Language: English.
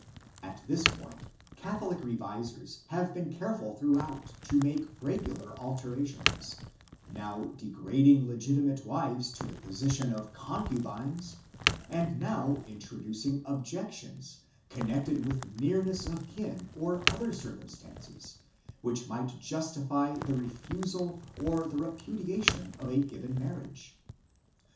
At this point Catholic revisers have been careful throughout to make regular alterations, now de grading legitimate wives to the position of concubines, and now introducing objections connected with nearness of kin or other circumstances which might justify the refusal or the repudiation of a given marriage.